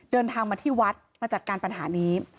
เดินทางมาที่วัดมาจัดการปัญหานี้